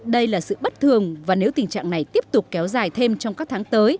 đây là sự bất thường và nếu tình trạng này tiếp tục kéo dài thêm trong các tháng tới